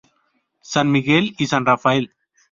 San Miguel y San Raphael.